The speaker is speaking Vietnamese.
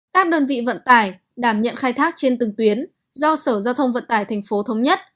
các đơn vị vận tải đảm nhận khai thác trên từng tuyến do sở giao thông vận tải thành phố thống nhất